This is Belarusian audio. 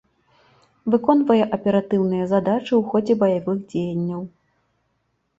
Выконвае аператыўныя задачы ў ходзе баявых дзеянняў.